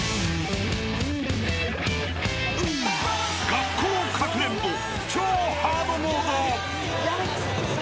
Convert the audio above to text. ［学校かくれんぼ超ハードモード！］